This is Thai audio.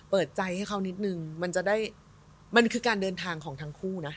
เปิดใจให้เขานิดนึงมันจะได้มันคือการเดินทางของทั้งคู่นะ